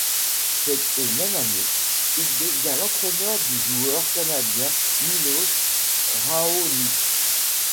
Cette même année, il devient l'entraîneur du joueur canadien Milos Raonic.